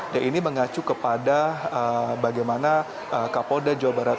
dan ini mengacu kepada bagaimana kapolda jawa barat